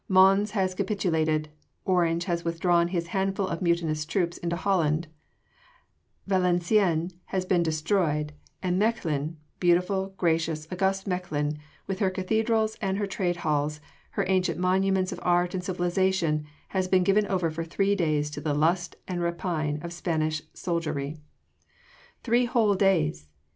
Mons has capitulated, Orange has withdrawn his handful of mutinous troops into Holland, Valenciennes has been destroyed and Mechlin beautiful, gracious, august Mechlin with her cathedrals and her trade halls, her ancient monuments of art and civilisation has been given over for three days to the lust and rapine of Spanish soldiery! Three whole days!